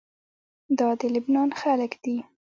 دا د لبنان خلق دي.